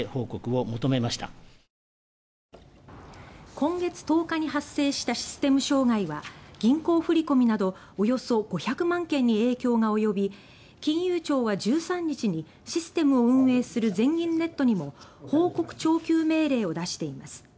今月１０日に発生したシステム障害は銀行振り込みなどおよそ５００万件に影響が及び金融庁は１３日にシステムを運営する全銀ネットにも報告徴求命令を出しています。